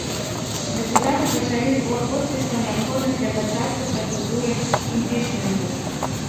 Дэпутаты пачалі збор подпісаў, неабходных для пачатку працэдуры імпічменту.